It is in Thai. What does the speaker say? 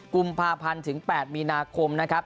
กุมภาพันธ์ถึง๘มีนาคมนะครับ